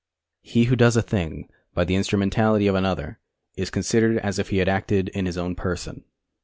He who does a thing by the instrumentality of another is considered as if he had acted in his own person.